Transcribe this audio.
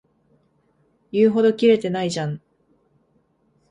言うほどキレてないじゃん